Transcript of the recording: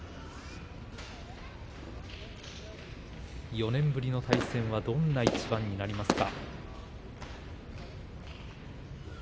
４年ぶりの対戦は、どんな一番になりますか。